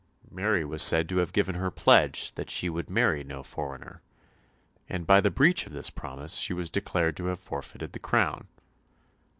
Mary was said to have given her pledge that she would marry no foreigner, and by the breach of this promise she was declared to have forfeited the crown.